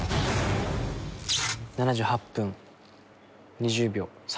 ７８分２０秒。